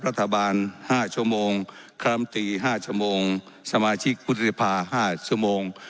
รัฐบาล๕ชั่วโมงคล้ำตี๕ชั่วโมงสมาชิกวุฒิภา๕ชั่วโมง